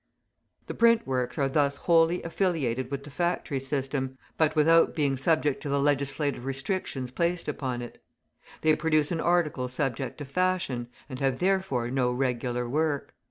The print works are thus wholly affiliated with the factory system, but without being subject to the legislative restrictions placed upon it. They produce an article subject to fashion, and have therefore no regular work.